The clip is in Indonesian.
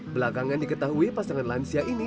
belakangan diketahui pasangan lansia ini